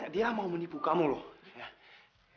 dia mau menipu kamu loh